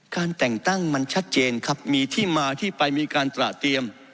การแต่งตั้งมันชัดเจนครับมีที่มาที่ไปมีการตระเตรียม